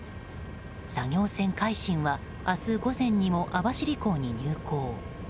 作業船「海進」は明日午前にも網走港に入港。